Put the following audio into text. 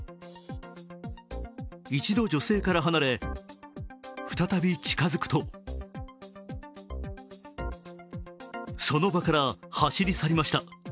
一度、女性から離れ再び近づくとその場から走り去りました。